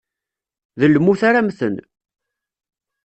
D lmut ara mmten.